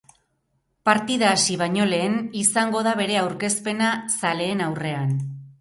Partida hasi baino lehen izango da bere aurkezpena zaleen aurrean.